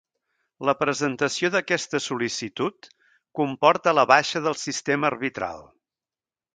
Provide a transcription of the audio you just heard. La presentació d'aquesta sol·licitud comporta la baixa del sistema arbitral.